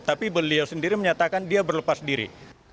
tapi beliau sendiri menyatakan dia berlepas diri